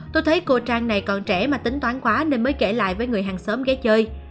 tôi thấy cô trang này còn trẻ mà tính toán quá nên mới kể lại với người hàng xóm ghé chơi